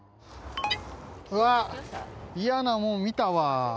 うわっ、嫌なもん見たわ。